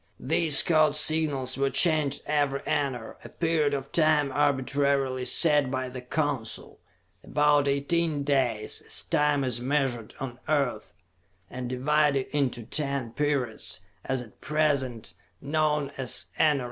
These code signals were changed every enar, a period of time arbitrarily set by the Council; about eighteen days, as time is measured on the Earth, and divided into ten periods, as at present, known as enarens.